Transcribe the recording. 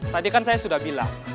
tadi kan saya sudah bilang